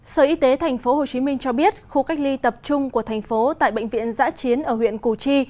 sở y tế tp hcm cho biết khu cách ly tập trung của thành phố tại bệnh viện giã chiến ở huyện củ chi